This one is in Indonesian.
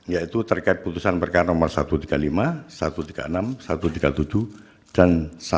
yaitu terkait putusan perkara nomor satu ratus tiga puluh lima satu ratus tiga puluh enam satu ratus tiga puluh tujuh dan satu ratus dua belas